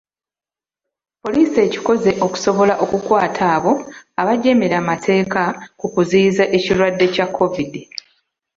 Poliisi ekikoze okusobola okukwata abo abajeemera amateeka ku kuziyiza ekirwadde kya COVID.